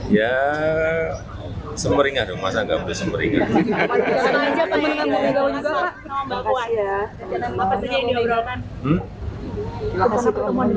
ya semeringan dong masa enggak bersemeringan